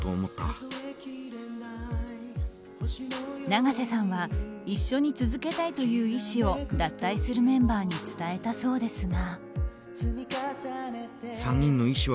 永瀬さんは一緒に続けたいという意思を脱退するメンバーに伝えたそうですが。